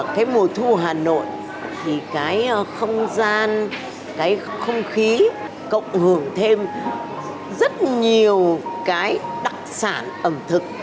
cái mùa thu hà nội thì cái không gian cái không khí cộng hưởng thêm rất nhiều cái đặc sản ẩm thực